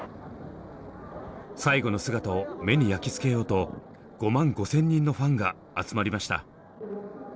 最後の姿を目に焼き付けようと５万５，０００人のファンが集まりました。